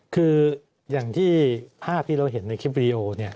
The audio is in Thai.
คืออย่างที่ภาพที่เราเห็นในคลิปวิดีโอ